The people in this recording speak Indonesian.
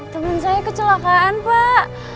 temen saya kecelakaan pak